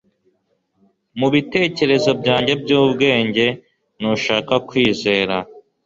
mubitekerezo byanjye byubwenge ntushaka kwizera